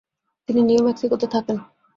তিনি নিউ মেক্সিকোতে থাকেন।